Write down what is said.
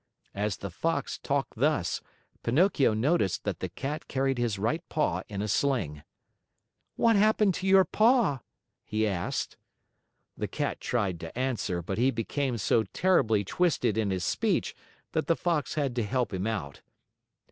As the Fox talked thus, Pinocchio noticed that the Cat carried his right paw in a sling. "What happened to your paw?" he asked. The Cat tried to answer, but he became so terribly twisted in his speech that the Fox had to help him out.